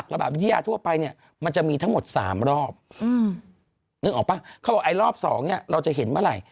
เขาบอกลอบสองเนี่ยเราจะเห็นเมื่อไหร่